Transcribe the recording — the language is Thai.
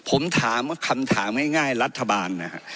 ผมถามคำถามง่ายรัฐบาลนะครับ